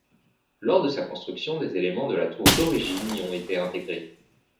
Lors de sa construction des éléments de la tour d'origine y ont été intégré.